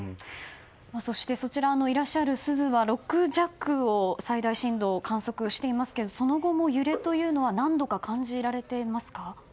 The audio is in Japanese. そしてそちら、いらっしゃる珠洲は最大震度６弱を観測していますけれどもその後も揺れというのは何度か感じられていますか？